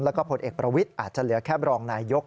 แล้วก็ผลเอกประวิทย์อาจจะเหลือแค่บรองนายก